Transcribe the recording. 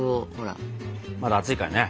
まだ熱いからね。